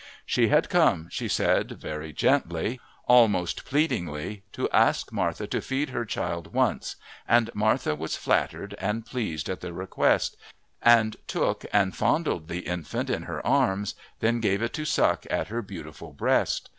She had come, she said very gently, almost pleadingly, to ask Martha to feed her child once, and Martha was flattered and pleased at the request, and took and fondled the infant in her arms, then gave it suck at her beautiful breast.